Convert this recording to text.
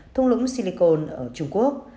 thung lũng silicon ở trung quốc